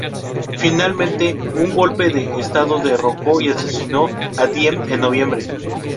Finalmente, un golpe de estado derrocó y asesinó a Diệm en noviembre.